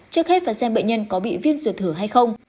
trước hết phải xem bệnh nhân có bị viêm ruột thừa hay không